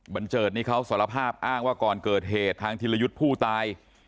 เจิดนี่เขาสารภาพอ้างว่าก่อนเกิดเหตุทางธิรยุทธ์ผู้ตาย